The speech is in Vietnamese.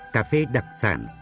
cà phê đặc sản